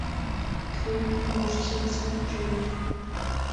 Clint Murchison, Jr.